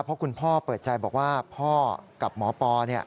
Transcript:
เพราะคุณพ่อเปิดใจบอกว่าพ่อกับหมอปอ